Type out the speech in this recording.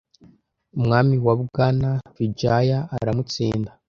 umwami wa Bwana Vijaya aramutsinda